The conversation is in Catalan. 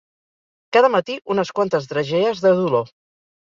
Cada matí unes quantes dragees de dolor.